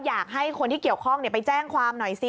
อยากให้คนที่เกี่ยวข้องไปแจ้งความหน่อยสิ